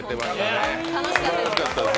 楽しかったです。